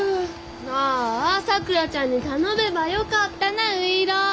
ああさくらちゃんに頼めばよかったなういろう。